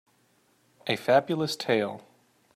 A Fabulous tale